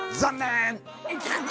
残念！